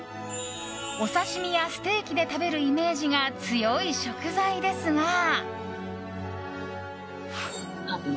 お刺し身やステーキで食べるイメージが強い食材ですが。